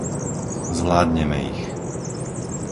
Zvládneme ich.